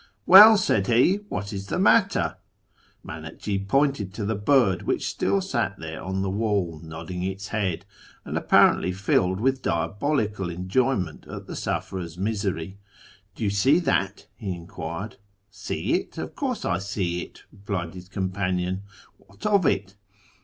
' Well/ said he, ' what is the matter ?' lauakji pointed to the bird, which still sat there on the rail, nodding its head, and apparently filled with diabolical QJoyment at the sufferer's misery. ' Do you see that ?' he iquired. ' See it ? Of course I see it,' replied his com anion, ' What of it